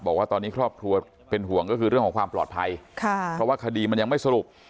บอกว่าตอนนี้ครอบครัวเป็นห่วงก็คือเรื่องของความปลอดภัยค่ะเพราะว่าคดีมันยังไม่สรุป